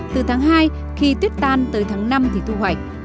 từ tháng hai khi tuyết tan tới tháng năm thì thu hoạch